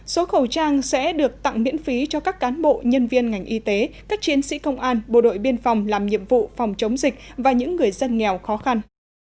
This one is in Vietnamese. số khẩu trang sẽ được tặng miễn phí cho các cán bộ nhân viên ngành y tế các chiến sĩ công an bộ đội biên phòng làm nhiệm vụ phòng chống dịch và những người dân nghèo khó khăn